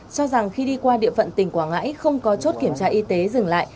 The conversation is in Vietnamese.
cho rằng khi đi qua địa phận tỉnh quảng ngãi không có chốt kiểm tra y tế dừng lại